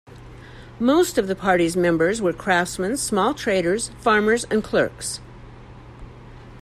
Most of the party's members were craftsmen, small traders, farmers, and clerks.